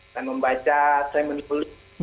saya membaca saya menulis